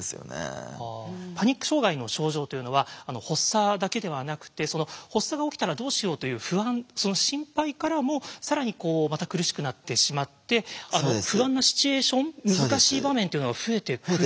パニック障害の症状というのは発作だけではなくて「発作が起きたらどうしよう」という不安その心配からも更にまた苦しくなってしまって不安なシチュエーション難しい場面というのが増えてくる。